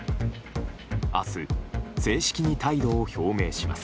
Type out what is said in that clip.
明日、正式に態度を表明します。